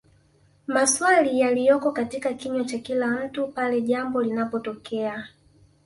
Masawli yaliyoko katika kinywa cha kila mtu pale jambo linapotokea